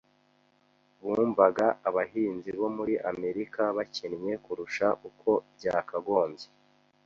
Bumvaga abahinzi bo muri Amerika bakennye kurusha uko byakagombye.